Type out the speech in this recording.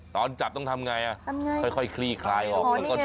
ตอนจับต้องทำไงค่อยคลี่คลายออก